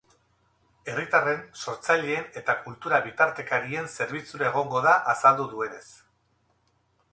Herritarren, sortzaileen eta kultura-bitartekarien zerbitzura egongo da, azaldu duenez.